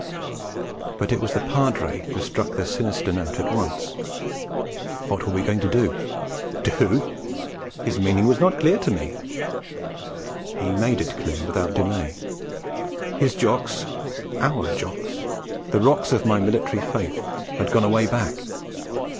But it was that Padre who struck the sinister note at once. What were we going to do? Do! His meaning was not clear to me; he made it clear without delay. His Jocks our Jocks the rocks of my military faith! had gone away back.